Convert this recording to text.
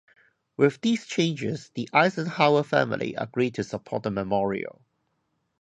With these changes, the Eisenhower family agreed to support the memorial.